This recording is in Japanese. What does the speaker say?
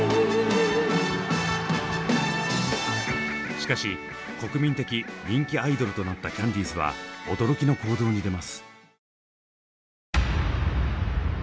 しかし国民的人気アイドルとなったキャンディーズは驚きの行動に出ます。